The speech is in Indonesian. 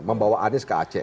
membawa anies ke aceh